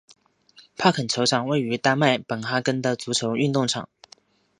帕肯球场位于丹麦哥本哈根的足球运动场。